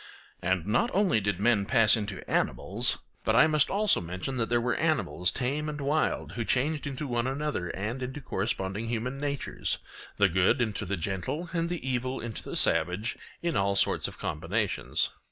And not only did men pass into animals, but I must also mention that there were animals tame and wild who changed into one another and into corresponding human natures—the good into the gentle and the evil into the savage, in all sorts of combinations.